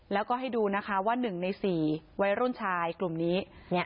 แล้วก็ให้ดูนะคะว่าหนึ่งในสี่ไวรุ่นชายกลุ่มนี้เนี้ย